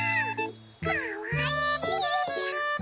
かわいい！